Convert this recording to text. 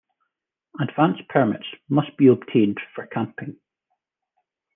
Advance permits must be obtained for camping.